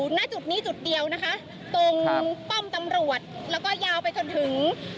หน้าจุดนี้จุดเดียวนะคะตรงป้อมตำรวจแล้วก็ยาวไปจนถึง